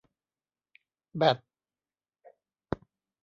แบต